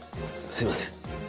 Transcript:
すいません。